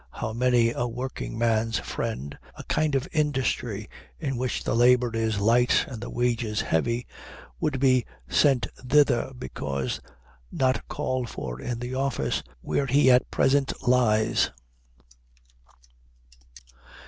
how many a workingman's friend (a kind of industry in which the labor is light and the wages heavy) would be sent thither because not called for in the office where he at present lies!